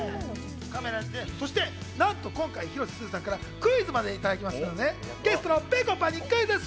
何と今回、広瀬すずさんからクイズまでいただいていますのでゲストのぺこぱにクイズッス！